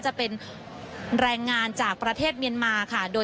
จะเป็นแรงงานจากประเทศเมียนมาค่ะ